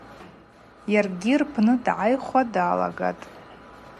Йаргьи рпны дгӏайхуа далагатӏ.